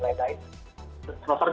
mulai dari ariang dika bahkan menang